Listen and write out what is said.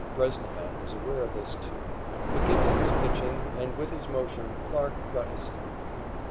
Bresnahan was aware of this, too. McGinnity was pitching, and with his motion, Clarke got his start.